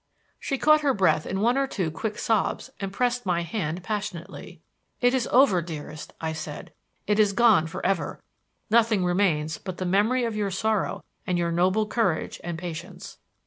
She caught her breath in one or two quick sobs and pressed my hand passionately. "It is over, dearest," I said. "It is gone for ever. Nothing remains but the memory of your sorrow and your noble courage and patience."